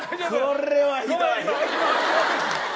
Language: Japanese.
これはひどい！